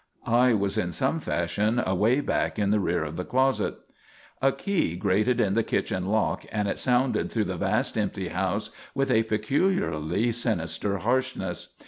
I was in some fashion away back in the rear of the closet. A key grated in the kitchen lock, and it sounded through the vast empty house with a peculiarly sinister harshness.